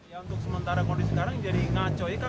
ya untuk sementara kondisi sekarang jadi ngaco ya kan